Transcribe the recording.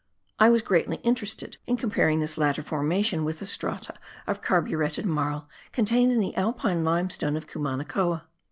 I was greatly interested in comparing this latter formation with the strata of carburetted marl contained in the Alpine limestone of Cumanacoa.